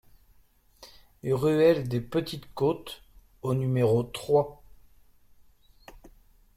Ruelle des Petites Côtes au numéro trois